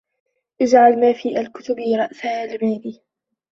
اجْعَلْ مَا فِي الْكُتُبِ رَأْسَ الْمَالِ